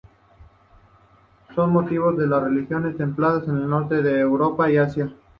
Son nativos de las regiones templadas del norte de Europa y Asia.